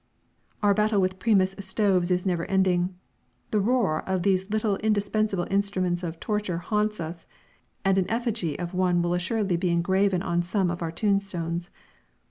Our battle with Primus stoves is never ending. The roar of these little indispensable instruments of torture haunts us, and an effigy of one will assuredly be engraven on some of our tombstones!